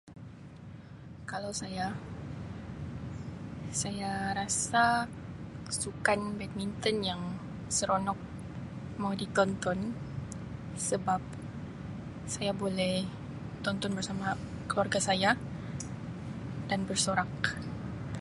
Kalau saya saya rasa sukan badminton yang seronok mau di tonton sebab saya boleh tonton bersama keluarga saya dan bersorak.